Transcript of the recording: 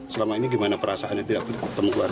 selama ini gimana perasaannya tidak bertemu keluarga